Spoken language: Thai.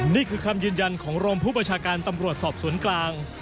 นี่คือคำยืนยันของรองผู้ประชาการตำรวจสอบสวนกลาง